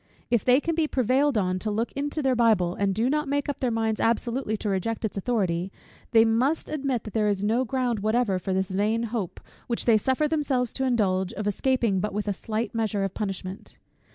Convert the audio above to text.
If they can be prevailed on to look into their Bible, and do not make up their minds absolutely to reject its authority; they must admit that there is no ground whatever for this vain hope, which they suffer themselves to indulge, of escaping but with a slight measure of punishment.